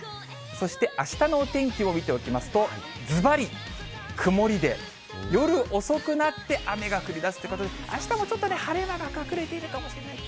そしてあしたのお天気を見ておきますと、ずばり、曇りで夜遅くなって雨が降りだすということで、あしたもちょっとね、晴れ間が隠れているかもしれない。